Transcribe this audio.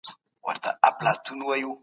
د پوهنې لاره د روښنايۍ لاره ده.